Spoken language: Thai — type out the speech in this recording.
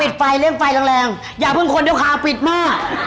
ไฟเร่งไฟแรงอย่าเพิ่งคนเดียวค่ะปิดมาก